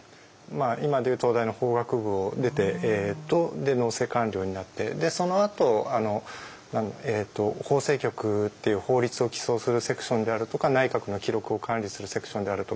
今でいう東大の法学部を出て農政官僚になってそのあと法制局っていう法律を起草するセクションであるとか内閣の記録を管理するセクションであるとか。